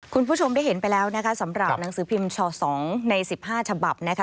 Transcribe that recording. คุณผู้ชมได้เห็นไปแล้วนะคะสำหรับหนังสือพิมพ์ช๒ใน๑๕ฉบับนะคะ